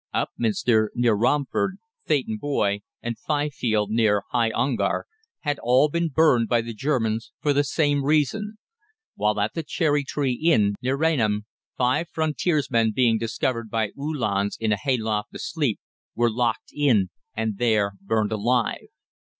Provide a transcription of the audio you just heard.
Upminster, near Romford, Theydon Bois, and Fyfield, near High Ongar, had all been burned by the Germans for the same reason; while at the Cherrytree Inn, near Rainham, five "Frontiersmen" being discovered by Uhlans in a hayloft asleep, were locked in and there burned alive.